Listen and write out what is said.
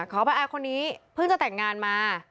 ขออภัยคนนี้เพิ่งจะแต่งงานมา